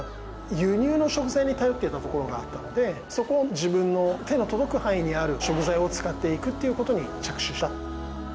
輸入の食材に頼っていたところがあったのでそこを自分の手の届く範囲にある食材を使って行くっていうことに着手した。